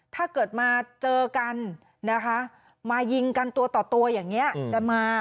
ถ้าเกิดมาเจอกันนะคะมายิงกันตัวต่อตัวอย่างนี้จะมา